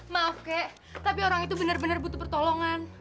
maaf kek tapi orang itu benar benar butuh pertolongan